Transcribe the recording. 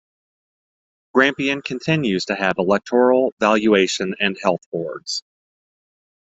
Grampian continues to have electoral, valuation, and Health boards.